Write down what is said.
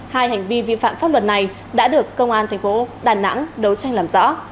hai hành vi vi phạm pháp luật này đã được công an tp đà nẵng đấu tranh làm rõ